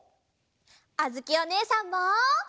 あづきおねえさんも！